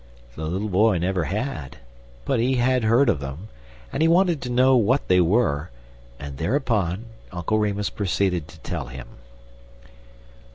The little boy never had, but he had heard of them, and he wanted to know what they were, and thereupon Uncle Remus proceeded to tell him.